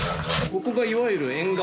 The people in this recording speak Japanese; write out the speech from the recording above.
ここがいわゆる縁側？